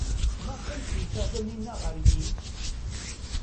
Maɣef ay d-tusa Taninna ɣer-i?